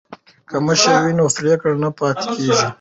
که مشر وي نو پریکړه نه پاتې کیږي.